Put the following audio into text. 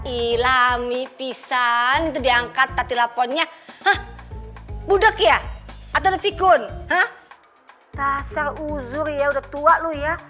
ilami pisan diangkat tadi lapornya budeg ya atau dikun tasar uzur ya udah tua lu ya